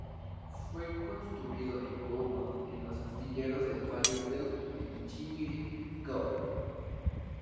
Fue construido en Govan, en los astilleros Fairfield Engineering Co.